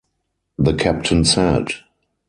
The Captain said.